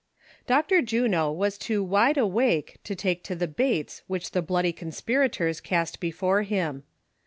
OCTOR JUXO was too wide awake to take to the baits which the bloody conspirators cast before him.